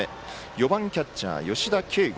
４番、キャッチャー、吉田慶剛。